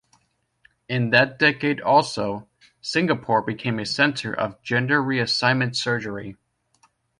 In that decade also, Singapore became a centre of gender-reassignment surgery.